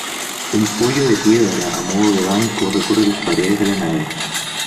Un poyo de piedra a modo de banco recorre las paredes de la nave.